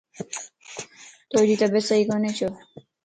توجي طبيعت صحيح ڪوني ڇو؟